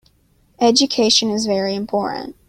Education is very important.